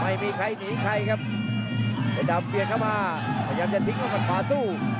ไม่มีใครหนีใครครับเพชรดำเปลี่ยนเข้ามาพยายามจะทิ้งลูกหมัดขวาสู้